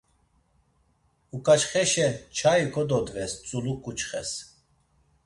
Uǩaçxeşe nçai kododves Tzuluǩuçxes.